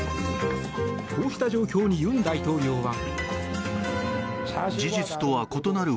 こうした状況に尹大統領は。